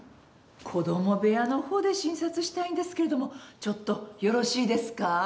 子供部屋のほうで診察したいんですけれどもちょっとよろしいですか？